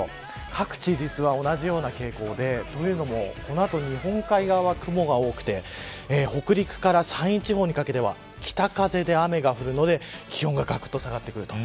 各地、実は同じような傾向でというのもこの後、日本海側は雲が多くて北陸から山陰地方にかけては北風で雨が降るので気温ががくっと下がってくる。